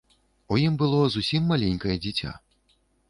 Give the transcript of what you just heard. У ім было зусім маленькае дзіця.